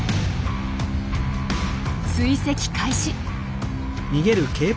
追跡開始。